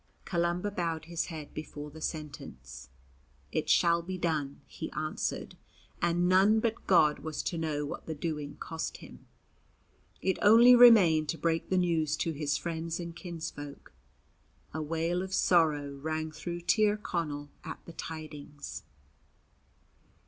Columba bowed his head before the sentence. "It shall be done," he answered, and none but God was to know what the doing cost him. It only remained to break the news to his friends and kinsfolk. A wail of sorrow rang through Tir Connell at the tidings.